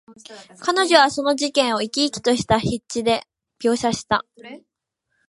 彼女はその事件を、生き生きとした筆致で描写した。